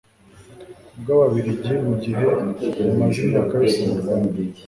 bw Ababirigi mu gihe bumaze imyaka yose mu Rwanda